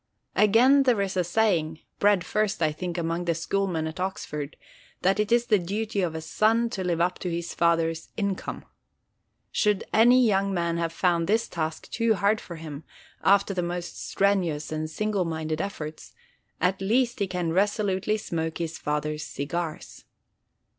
Again there is a saying—bred first, I think, among the schoolmen at Oxford—that it is the duty of a son to live up to his father's income. Should any young man have found this task too hard for him, after the most strenuous and single minded efforts, at least he can resolutely smoke his father's cigars.